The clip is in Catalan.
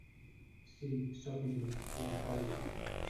Sí, soc jo, l'alcalde.